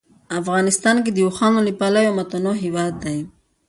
افغانستان د اوښانو له پلوه یو متنوع هېواد دی.